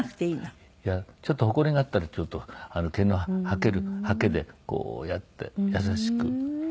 ちょっとホコリがあったら毛の掃けるはけでこうやって優しくあれすると。